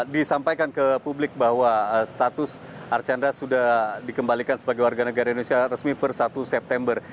disampaikan ke publik bahwa status archandra sudah dikembalikan sebagai warga negara indonesia resmi per satu september